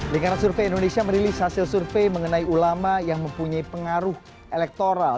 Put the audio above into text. lingkaran survei indonesia merilis hasil survei mengenai ulama yang mempunyai pengaruh elektoral